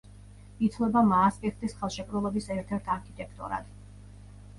ითვლება მაასტრიხტის ხელშეკრულების ერთ-ერთ არქიტექტორად.